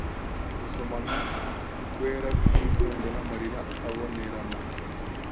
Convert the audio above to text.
gusomana kwera kwurukundo, n'amarira abonerana;